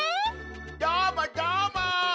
どーもどーも！